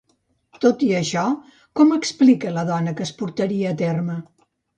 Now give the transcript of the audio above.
Tot i això, com explica la dona que es portaria a terme?